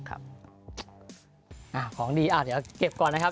ของดีเดี๋ยวเก็บก่อนนะครับ